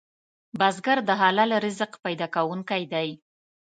بزګر د حلال رزق پیدا کوونکی دی